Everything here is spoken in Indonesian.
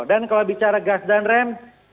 dan kalau bicara gas dan rem